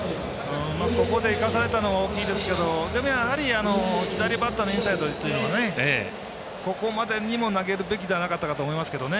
ここで、いかされたのは大きいですけどやはり、左バッターのインサイドというのはここまでにも投げるべきではなかったかなと思いますけどね。